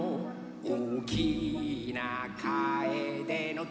「おおきなカエデの木」